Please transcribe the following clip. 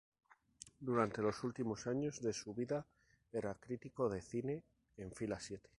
Durante los últimos años de su vida era crítico de cine en Fila Siete.